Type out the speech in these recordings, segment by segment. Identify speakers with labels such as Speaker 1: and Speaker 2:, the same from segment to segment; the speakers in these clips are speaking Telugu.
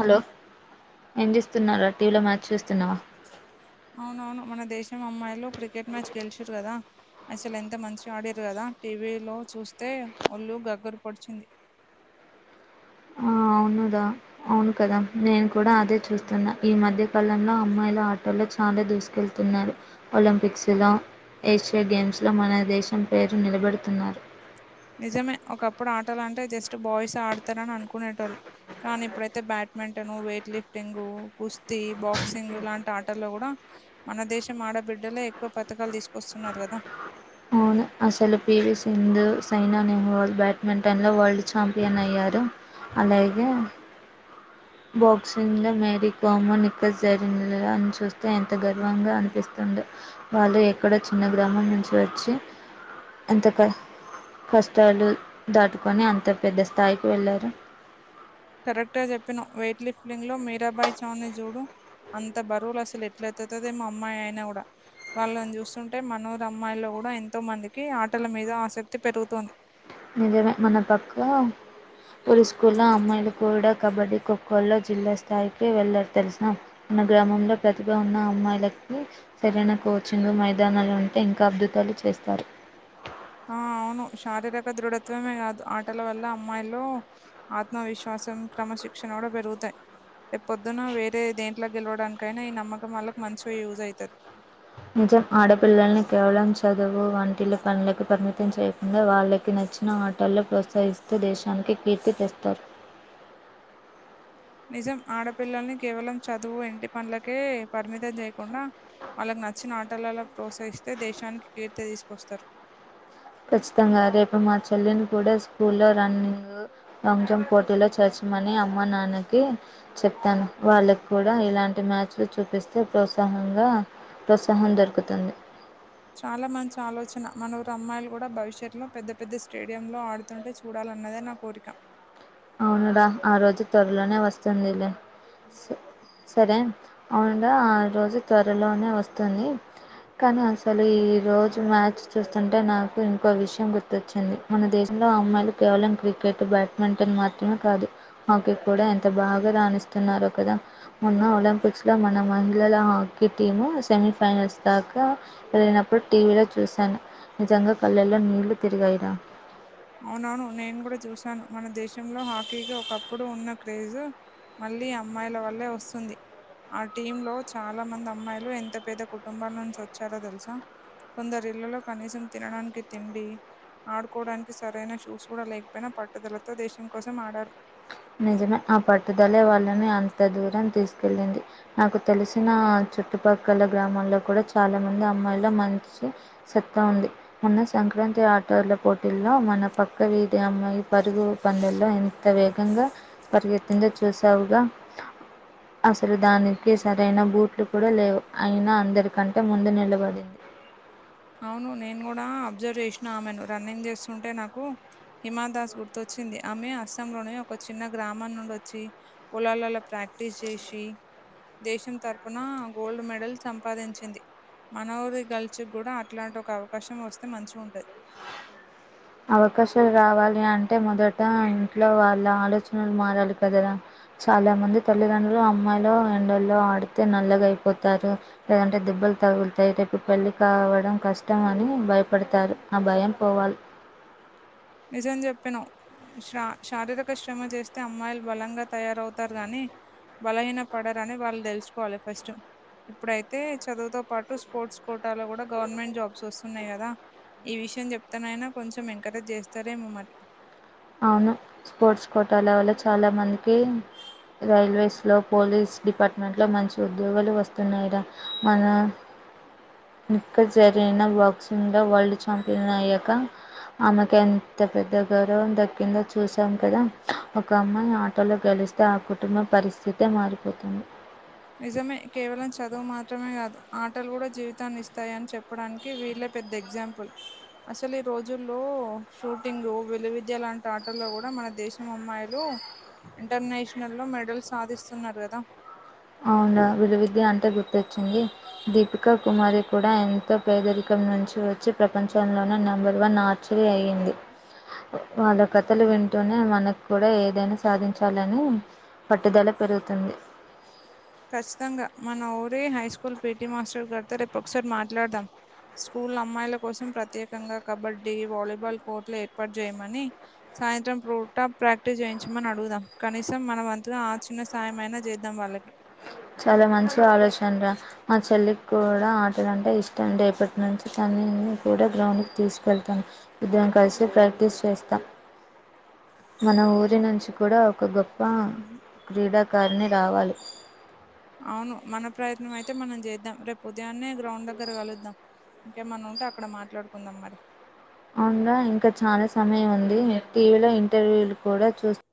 Speaker 1: హలో! ఏం చేస్తున్నారు? టీవీలో మ్యాచ్ చూస్తున్నావా?
Speaker 2: అవునవును, మన దేశం అమ్మాయిలు క్రికెట్ మ్యాచ్ గెలిచారు కదా? అసలు ఎంత మంచి ఆడిండ్రు కదా టీవీలో చూస్తే ఒళ్ళు గగ్గరు పొడిచింది. [inaudible]
Speaker 1: ఆ అవునుదా అవును కదా నేను కూడా అదే చూస్తున్నా ఈ మధ్య కాలంలో అమ్మాయిల ఆటల్లో చాలా దూసుకెళ్తున్నారు. ఒలింపిక్స్ దా ఏషియా గేమ్స్లో మన దేశం పేరు నిలబెడుతున్నారు.
Speaker 2: నిజమే ఒకప్పుడు ఆటాలంటే జస్ట్ బాయ్స్ ఆడతారని అనుకునేటోళ్ళు. కానీ ఇప్పుడైతే బ్యాడ్మింటన్, వెయిట్ లిఫ్టింగ్, కుస్తీ, బాక్సింగ్ లాంటి ఆటల్లో కూడా మన దేశం ఆడబిడ్డలే ఎక్కువ పథకాలు తీసుకొస్తున్నారు కదా.
Speaker 1: అవును అసలు P V Sindhu, Saina Nehwal badminton లో వరల్డ్ ఛాంపియన్ అయ్యారు. అలాగే
Speaker 2: అ
Speaker 1: బాక్సింగ్లో మేరీ కోమ్, నిక్కస్ జరిన్ అని చూస్తే ఎంత గర్వంగా అనిపిస్తుందో. వాళ్ళు ఎక్కడో చిన్న గ్రామం నుంచి వచ్చి ఎంత కస్ కష్టాలు దాటుకొని అంత పెద్ద స్థాయికి వెళ్ళారు.
Speaker 2: కరెక్ట్ గా చెప్పినవు, వెయిట్ లిఫ్టింగ్ లో మీరాబాయి చావ్ ని చూడు అంత బరువులు అసలు ఎట్ల ఎత్తుతదో ఏమో అమ్మాయి అయినా కూడా వాళ్ళని చూస్తుంటే మనూరు అమ్మాయిల్లో కూడా ఎంతో మందికి ఆటల మీద ఆసక్తి పెరుగుతుంది.
Speaker 1: నిజమే మన పక్క వూరి స్కూల్లో అమ్మాయిలు కూడా కబడ్డీ, ఖోఖోలో జిల్లా స్థాయికి వెళ్లారు తెలిసా? మన గ్రామంలో ప్రతిభ ఉన్న అమ్మాయిలకి సరైన కోచింగ్, మైదానాలు ఉంటే ఇంకా అద్భుతాలు చేస్తారు.
Speaker 2: ఆ అవును శారీరక దృఢత్వమే కాదు ఆటల వల్ల అమ్మాయిలో ఆత్మవిశ్వాసం క్రమశిక్షణ కూడా పెరుగుతాయి. రేప్ పొద్దున వేరే దేంట్లో గెలవడానికైనా ఈ నమ్మకం వాళ్ళకి మంచిగా యూజ్ ఐతది.
Speaker 1: నిజం ఆడపిల్లల్ని కేవలం చదువు, వంటిల్లు పనులకు పరిమి చేయకుండా వాళ్ళకి నచ్చిన ఆటల్లో ప్రోత్సహిస్తూ దేశానికి కీర్తి తెస్తారు.
Speaker 2: నిజం ఆడపిల్లల్ని కేవలం చదువు ఇంటి పనులకే పరిమితం చేయకుండా వాళ్ళకు నచ్చిన ఆటలల్లో ప్రోత్సహిస్తే దేశానికి కీర్తి తీసుకొస్తారు.
Speaker 1: ఖచ్చితంగా రేపు మా చెల్లెను కూడా స్కూల్లో లో రన్నింగ్, లాంగ్ జంప్ పోటీలో చేర్ మని అమ్మ నాన్నకి చెప్పాను వాళ్ళకి కూడా ఇలాంటి మ్యాచ్లు చూపిస్తే ప్రోత్సా హంగా ప్రోత్సాహం దొరుకుతుంది
Speaker 2: చాలా మంచి ఆలోచన. మనఊరు అమ్మాయిలు కూడా భవిష్యత్లో పెద్ద పెద్ద స్టేడియంలో ఆడుతుంటే చూడాలని అన్నదే నా కోరిక
Speaker 1: అవును రా, ఆ రోజు త్వరలోనే వస్తుందిలె సరే అవునుగా ఆ రోజు త్వరలోనే వస్తుంది కానీ అసలు ఈ రోజు మ్యాచ్ చూస్తుంటే నాకు ఇంకో విషయం గుర్తొచ్చింది, మన దేశంలో త అమ్మాయిలు కేవలం క్రికెటు, బ్యాడ్మింటన్ మాత్రమే కాదు హాకీ కూడా ఎంత బాగా రాణిస్తున్నారో కదా, మొన్న ఒలింపిక్స్ లో మన మహిళల హా కి టీము సెమీఫైనల్స్ దాకా వెళ్ళినప్పుడు టీవీలో చూశాను. నిజంగా కళ్ళెల్లో నీళ్ళు తిరిగాయి రా
Speaker 2: అవునవును నేను కూడా చూశాను, మన దేశంలో హాకీకి ఒకప్పుడు ఉన్న క్రేజు మళ్ళీ అమ్మాయిల వల్లే వస్తుంది ఆ టీమ్ లో చాలా మంది అమ్మాయిలు ఎంత పేద కుటుంబాల నుంచి వచ్చారో తెలుసా? కొందరి ఇళ్లలో కనీసం తినడానికి తిండి ఆడుకోవడానికి సి సరైన షూస్ కూడా లేకపోయినా పట్టుదలతో దేశం కోసం ఆడారు.
Speaker 1: నిజమే ఆ పట్టుదల వాళ్ళని అంత దూరం తీసుకెళ్ళింది, నాకు తెలిసిన చుట్టుపక్కల గ్రామల్లో కూడా చాలా మంది అమ్మాయిల మనసు సత్తా ఉంది, మొన్న సంక సంక్రాంతి ఆటోల పోటీల్లో మన పక్క వీధి అమ్మాయి పరుగు పందెంల్లో ఎంత వే గంగా పరుగెత్తిందో చూశావుగా అసలు దానికి సరైన బూట్లు కూడా లేవు అయినా అందరికంటే ముందు నిలబడింది.
Speaker 2: అవును నేను కూడా అబ్జర్వ్ చేసినా ఆమెను రన్నింగ్ చేస్తుంటే నాకు హిమాదాస్ గుర్తొచ్చింది, ఆమె అస్సాంలోని ఒక చిన్న గ్రామం నుండి వచ్చి పొలాలల్లో ప్రాక్ టేస్ట్ జేసి దేశం తరపున గోల్డ్ మెడల్ సంపాదించింది మన ఊరి గల్స్ కూడా ఇట్లాంటి ఒక అవకాశం వస్తే మంచి ఉంటది
Speaker 1: అవకాశాలు రావాలి అంటే మొదట ఇంట్లో వాళ్ళ ఆలోచనలు మారాలి కదరా చాలా మంది తల్లిదండ్రులు అమ్మాయిలు ఎండల్లో ఆడితే నల్లగాయిపోతారు లేదంటే దిబ్ బ్బల్ తగులుతాయి రేపు పెళ్ళి కావడం కష్టం అని భయపడతారు ఆ భయం పోవాలి
Speaker 2: నిజం చెప్పిన్నవ్ శ్ర శారీరక శ్రమ చేస్తే అమ్మాయిలు బలంగా తయారవుతారు గానీ బలహీన పడరని వాళ్ళు దెలుసుకోవాలి ఫస్ట్ ఇప్పుడైతే చదువుతో పాటు స్పోర్ట్స్ కోటాలో కూడా గవర్నమెంట్ జాబ్స్ వస్తున్నాయి కదా ఈ విషయం జెప్తేనైనా కొంచెం ఎంకరేజ్ చేస్తారేమో మరి
Speaker 1: అవును స్పోర్ట్స్ కోటాల వల్ల చాలా మందికి రైల్వేస్లో పోలీస్ డిపార్ట్మెంట్లో మంచి ఉద్యోగాలు వస్తున్నాయిర మన ఇంక జరిగిన బాక్సింగ్లో వరల్డ్ ఛాంపియన్ అయ్యాక ఆమెకి ఎంత పెద్ద గౌరవం దక్ కిందో చూసాం కదా ఒక అమ్మాయి ఆటలో గెలిస్తే ఆ కుటుంబ పరిస్థితే మారిపోతుంది
Speaker 2: నిజమే కేవలం చదువు మాత్రమే కాదు ఆటలు కూడా జీవితాన్ని ఇస్తాయని చెప్పడానికి వీళ్ళే పెద్ద ఎగ్జాంపుల్ అసలు ఈ రోజుల్లో షూటింగు విలువిద్య లాంటి ఆటల్లో కూడా మన దేశం అమ్మాయిలు ఇంటర్నేషనల్లో మెడల్ సాధిస్తున్నారు కదా
Speaker 1: అవున విలువిద్య అంటే గుర్తొచ్చింది దీపిక కుమారి కూడా ఎంతో పేదరికం ను చి వచ్చి ప్రపంచంలోనే నెంబర్ వన్ ఆర్చరీ అయ్యింది వాళ్ళ కథలు వింటూనే మనకు కూడా ఏదైనా సాధించాలని పట్టుదల పెరుగుతుంది
Speaker 2: ఖచ్చితంగా మన ఊరి హైస్కూల్ పిటి మాస్టర్ గారితో రేపు ఒకసారి మాట్లాడదాం స్కూల్ అమ్మాయిల కోసం ప్రత్యేకంగా కబడ్డీ వాలీబాల్ కోర్టులు ఏర్పాటు చేయమని సాయంత్రం ప్రూట ప్రాక్టీస్ చేయించమని అడుగుదాం కనీసం మన వంతులో ఆ చిన్న సాయం అయినా చేద్దాం వాళ్ళకి
Speaker 1: చాలా మంచి ఆలోచనరా మా చెల్లికి కూడా ఆటలు అంటే ఇష్టం రేపట్నుంచి త నేను కూడా గ్రౌండ్కి తీసుకెళ్తాను ఇద్దరం కలిసి ప్రాక్టీస్ చేస్తాం మన ఊరి నుంచి కూడా ఒక గొప్ప క్రీడాకారిణి రావాలి
Speaker 2: అవును మన ప్రయత్నం అయితే మనం చేద్దాం రేపు ఉదయాన్నే గ్రౌండ్ దగ్గర కలుద్దాం ఇంకేమన్న ఉంటే అక్కడ మాట్లాడుకుందాం మరి
Speaker 1: అవునర ఇంకా చాలా సమయం ఉంది టీవీ లో ఇంటర్వ్యూలు కూడా చూస్త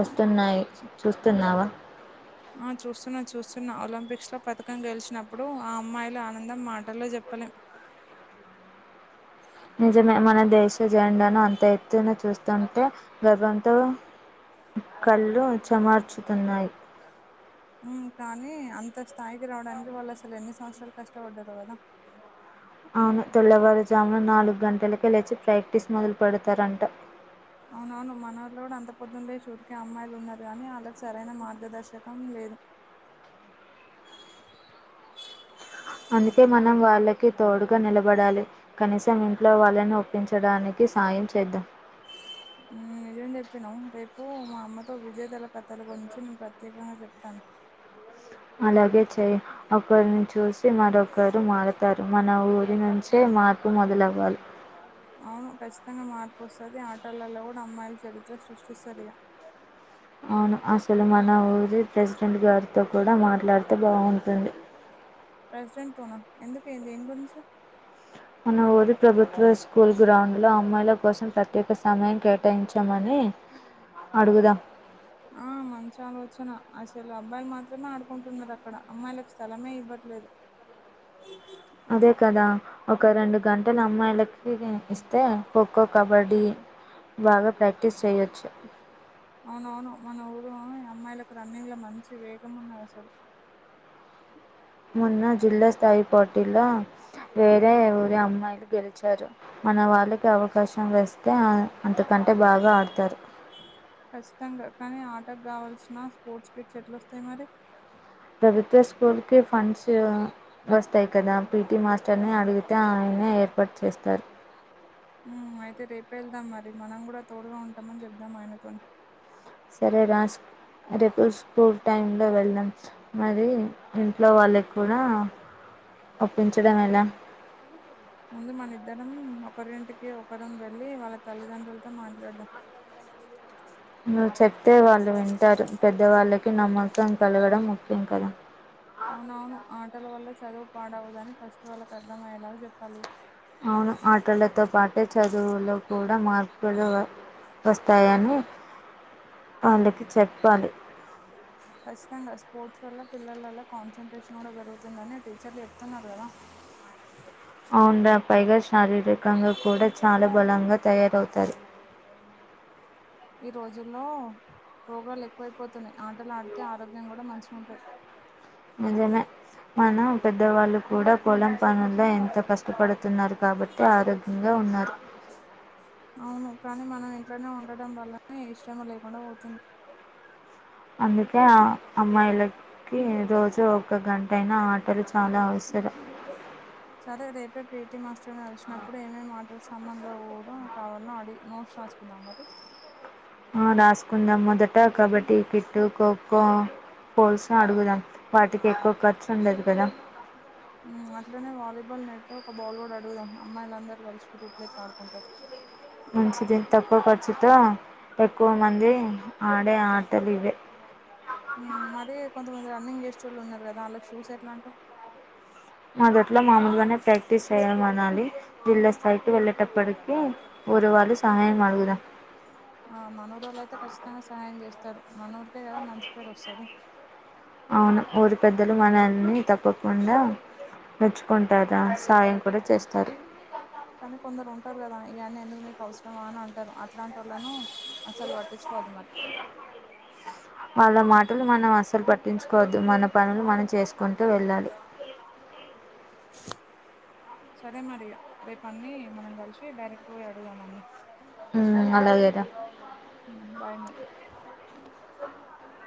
Speaker 1: వస్తన్ న్నాయి చూస్తున్నావా
Speaker 2: ఆ చూస్తున్నా చూస్తున్నా ఒలింపిక్స్లో పథకం గెలిచినప్పుడు ఆ అమ్మాయిలు ఆనందం మాటల్లో చెప్ ప్పలేం
Speaker 1: నిజమే మన దేశ జెండాను అంత ఎత్తున చూస్తుంటే గర్వంతో కళ్ళు చెమార్చుతున్నాయి
Speaker 2: ఉమ్ కానీ అంత స్థాయికి రావడానికి వాళ్ళు అసలు ఎన్ని సంవత్సరాలు కష్టపడ్డారో కదా
Speaker 1: అవును తెల్లవారుజామున నాలుగు గంటలకి లేచి ప్రాక్టీస్ మొదలు పెడతారంట
Speaker 2: అవునవును మన వోళ్ళు కూడా అంత పొద్దు లేసి ఊర్కే అమ్మాయిలు ఉన్నారు గానీ ఆళ్ళకి సరైన మార్గదర్శకం లే లేదు
Speaker 1: అందుకే మనం వాళ్ళకి తోడుగ నిలబడాలి కనీసం ఇంట్లో వాళ్ళని ఒప్పించడానికి సాయం యం చేద్దాం
Speaker 2: నిజం చెప్పినాం రేపు మా అమ్మతో విజేతల కథల గురించి నేను ప్రత్యేకంగా చెప్తాను
Speaker 1: అలాగే చెయి ఒకరిని చూసి మరొకరు మారతారు మన ఊరి నుంచే మాార్పు మొదలవ్వాలి
Speaker 2: అవును ఖచ్చితంగా మార్పు వస్తుంది ఆటలలో కూడా అమ్మాయిల చరిత్ర సృష్టిస్తరిగా
Speaker 1: అవును అసలు మన ఊరి ప్రెసిడెంట్ గారితో కూడ మాట్లాడితే బాగుంటుంది
Speaker 2: ప్రెసిడెంట్ తోన ఎందుకు అయింది ఏం గురించి
Speaker 1: మన ఊరి ప్రభుత్వ స్కూల్ గ్రౌండ్ లో అమ్మాయిల కోసం ప్రత్యేక సమయం కేటాయించమని అడుగుదాం
Speaker 2: ఆ మంచి ఆలోచన అసలు అబ్బాయిలు మాత్రమే ఆడుకుంటున్నారు అక్కడ అమ్మాయిలకు స్థలమే ఇవ్వట్లేదు నరు
Speaker 1: అదే కదా ఒక రెండు గంటలు అమ్మాయిలకి ఇస్తే ఖోఖో కబడ్డీ బాగ ప్రాక్టీస్ చెయొచ్చు
Speaker 2: అవునవును మన ఊరు అమ్మాయిలకు రన్నింగ్ లో మంచి వేగం ఉన్నది అసలు
Speaker 1: మొన్న జిల్లా స్థాయి పోటీల్లో వేరే ఊరిే అమ్మాయిలు గెలిచారు మన వాళ్ళకి అవకాశం వస్తే అంత కంటే బాగ ఆడతారు
Speaker 2: అకు కావల్సిన స్పోర్ట్స్ కిట్స్ ఎట్ల వస్తాయి మరి
Speaker 1: ప్రభుత్వ స్కూల్కి ఫండ్స్ వస్తాయి కదా పీటి మాస్టర్ ని అడిగితే ఆ ఏర్పాట్ చేస్తారు
Speaker 2: అయితే రేప వెళ్దాం మరి మనం కూడా తోడుగా ఉంటామని చెుదాం ఆయనతో
Speaker 1: సరే రాస్ రేపు స్కూల్ టైమ్ లో వెళ్ళాం మరి ఇంట్లో వాళ్ళకి కూడా ఒప్పించడం ఎలా
Speaker 2: ముందు మనిద్దరం ఒకరింటికి ఒకరం వెళ్లి వాళ్ళ తల్లిదండ్రులతో మాట్లాడదాం
Speaker 1: నువ్వు చెప్తే వాళ్ళు వింటారు పెద్దవాళ్ళకి నమ్మకం కలగడం ముఖ్యం కదా
Speaker 2: అవునవును ఆటల వల్ల చదువు పాడవుదని ఫస్ట్ వాళ్ళకి అర్థమయ్యేలాగ చెప్పాలి
Speaker 1: అవును ఆటలతో పాటే చదువులో కూడ మార్పులు వస్తాయని వాళ్ళకి చెప్పాలి
Speaker 2: ఖచ్చితంగా స్పోర్ట్స్ వల్ల పిల్లలల్ల కాన్సన్ట్రేషన్ కూడా పెరుగుతుందని టీచర్లు చెప్తున్నారు కదా
Speaker 1: అవున్డా పైగ శారీరకంగా కూడ చాలా బలంగా తయారవుతారు
Speaker 2: ఈ రోజుల్లో రోగాలు ఎక్కువైపోతున్నాయి ఆటలు ఆడితే ఆరోగ్యం కూడ మంచి ఉంటది
Speaker 1: అదేలె మనం పెద్దవాళ్ళు కూడ పొలం పనుల్లో ఎంత కష్టపడుతున్నారు కాబట్టి ఆరోగ్యంగా ఉున్నారు
Speaker 2: అవును కానీ మనం ఇంట్లోనే ఉండటం వల్లనే ఇష్టం లేకుండా పోతుంది
Speaker 1: అందుకే ఆ అమ్మాయిలకి రోజు ఒక గంట అటైనా ఆటలు చాలా అవసరం
Speaker 2: పేటి మాస్టర్ ని అలిసినప్పుడు ఏమేమి మాటల్ సమన్లో పోవడం కావాలని అడి నోట్స్ రాసుకుందాం మరి
Speaker 1: ఆ రాసుకుందాం మొదట కబడ్డీ కిట్టు ఖోఖో పోల్సు అడుగుదాం వాటికి ఎక్కువ ఖర్చు ఉండదు కదా
Speaker 2: అంటే ఒక బాల్ కూడాడ్ అడుగుదాం అమ్మాయిల అందరూ కలిసి రూప్లేక్ ఆడుకుంటారు
Speaker 1: ముంచిది తక్కువ ఖర్చుత ఎక్కువ మంది ఆడే ఆటలు ఇవే
Speaker 2: మది కొంతమంది రన్నింగ్ చేస్ట వాళ్ళు ఉన్నారు కదా వాళ్ళకి షూస్ ఎట్లా అంటా
Speaker 1: మొదట్లో మామలుగానే ప్రాక్టీస్ చేయ అనాలి జిల్లా స్థాయికి వెళ్ళేటప్పటికి ఒక వాళు సహాయం ఆడుగుద
Speaker 2: ఆ మనూరు వాళ్ళయితే ఖచ్చితంగా సహాయం చేస్తారు మన ఊరికే కదా మంచి పేరు వస్తుంది
Speaker 1: అవును ఊరి పెద్దలు మనల్ని తప్పకుండా నచ్చుకుంటారా సాయం కూడా చేస్తారు
Speaker 2: కానీ కొందరు ఉంటారు కదా ఇవన్న ఎందుకు మీకు అవసరమా అని అంటారు అట్లాంటి వాళ్ళను అసలు వాటిచ్చకోదు మరి
Speaker 1: వాళ్ళ మాటలు మనం అస్సలు పట్టించుకోవద్దు మన పనులు మనం చేసుకుంటూ వెళ్ళాలి
Speaker 2: సో అదే మరి అదే పని మనం కలిసి డైరెక్ట్ పోయి అడుగుదాం అన్ని
Speaker 1: న విద
Speaker 2: బాయ్ మ
Speaker 1: స